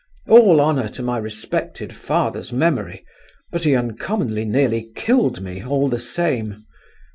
All honour to my respected father's memory—but he uncommonly nearly killed me, all the same.